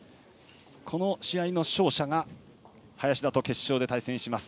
この試合の勝者が林田と決勝で対戦します。